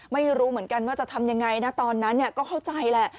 ไม่รู้เหมือนกันว่าจะทำยังไงนะตอนนั้นก็เข้าใจแหละ